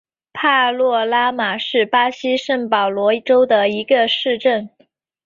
帕诺拉马是巴西圣保罗州的一个市镇。